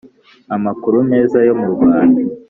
amakuru meza yo mu Rwanda